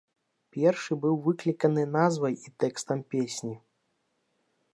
Першы быў выкліканы назвай і тэкстам песні.